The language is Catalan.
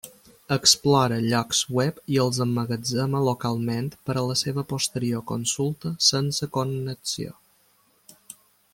Explora llocs web i els emmagatzema localment per a la seva posterior consulta sense connexió.